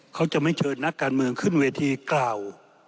เขาจะไม่เชิญนักการเมืองขึ้นเวทีกล่าว